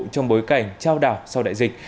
trong bối cảnh trao đảo sau đại dịch